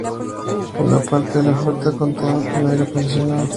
Una parte de la flota contaba con aire acondicionado.